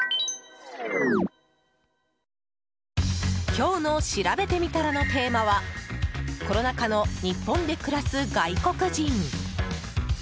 今日のしらべてみたらのテーマはコロナ禍の日本で暮らす外国人。